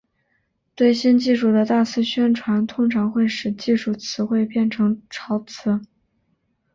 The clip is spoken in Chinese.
对新技术的大肆宣传通常会使技术词汇变成潮词。